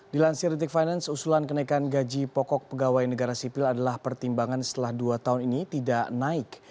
dilansir detik finance usulan kenaikan gaji pokok pegawai negara sipil adalah pertimbangan setelah dua tahun ini tidak naik